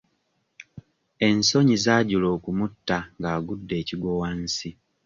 Ensonyi zaajula okumutta ng'agudde ekigwo wansi.